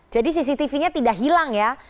jadi cctv nya tidak hilang ya